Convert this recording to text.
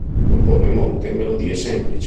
Compone molte melodie semplici.